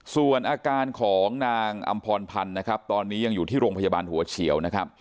ส่วนอาการของนางอำพรพันธ์นะครับตอนนี้ยังอยู่ที่โรงพยาบาลหัวเฉียวนะครับ